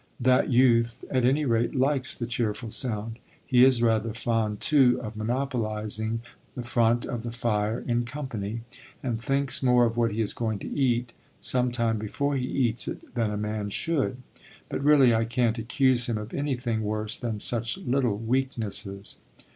That youth, at any rate, likes the cheerful sound. He is rather fond, too, of monopolising the front of the fire in company, and thinks more of what he is going to eat, some time before he eats it, than a man should. But really I can't accuse him of anything worse than such little weaknesses.